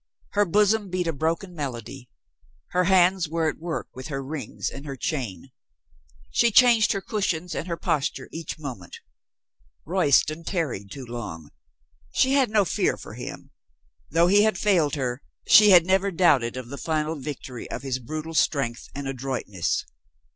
Her bosom beat a broken melody. Her hands were at work with her rings and her chain. She changed her cushions and her posture each moment. Royston tarried too long. She had no fear for him. Though he failed her, she had never doubted of the final victory of his brutal strength and adroitness.